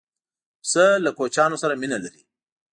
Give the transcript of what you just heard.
پسه له کوچنیانو سره مینه لري.